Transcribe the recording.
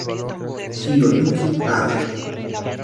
Hiroyuki Abe